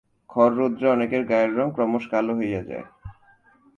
খর রৌদ্রে অনেকের গায়ের রঙ ক্রমশ কালো হইয়া যায়।